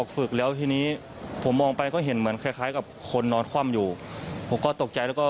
ฝึกแล้วทีนี้ผมมองไปก็เห็นเหมือนคล้ายคล้ายกับคนนอนคว่ำอยู่ผมก็ตกใจแล้วก็